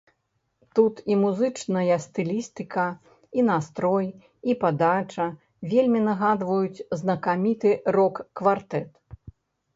Тут і музычная стылістыка, і настрой, і падача вельмі нагадваюць знакаміты рок-квартэт.